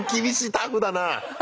タフだな。